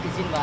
di sini pak